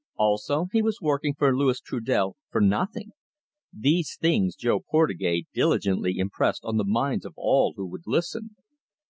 Also, he was working for Louis Trudel for nothing. These things Jo Portugais diligently impressed on the minds of all who would listen.